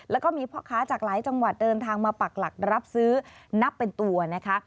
แล้วก็มีพ่อค้าจากหลายจังหวัดเดินทางมาปักหลักรับซื้อนับเป็นตัวนะคะ